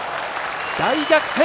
大逆転！